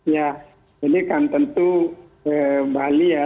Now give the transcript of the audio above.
ya ini kan tentu bali ya